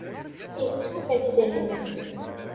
Yessuter idrimen.